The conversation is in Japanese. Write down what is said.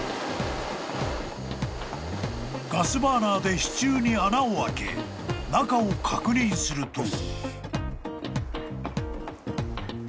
［ガスバーナーで支柱に穴を開け中を確認すると］